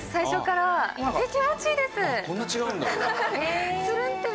こんな違うんだ。